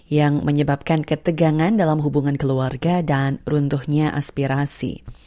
yang menyebabkan ketegangan dalam hubungan keluarga dan runtuhnya aspirasi